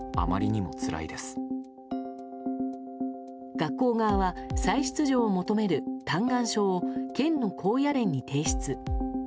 学校側は再出場を求める嘆願書を県の高野連に提出。